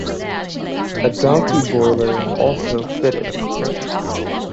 A donkey boiler also fitted.